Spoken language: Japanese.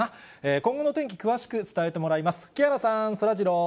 今後の天気、詳しく伝えてもらいます。